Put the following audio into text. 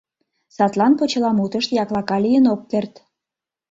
Садлан почеламутышт яклака лийын ок керт.